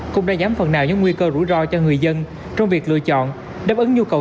cũng đã giảm phần nào những nguy cơ rủi ro cho người dân trong việc lựa chọn đáp ứng nhu cầu